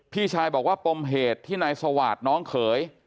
พี่ชายบอกว่าปมเหตุที่นายสวาสน้องเขย